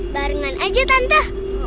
barengan aja tante